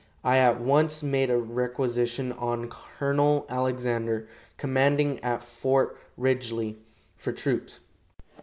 I at once made a requisition on Colonel Alexander, commanding at Fort Ridgely, for troops.